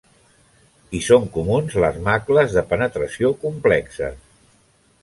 Hi són comuns les macles de penetració complexes.